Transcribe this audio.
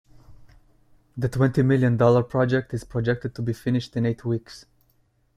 The twenty million dollar project is projected to be finished in eight weeks.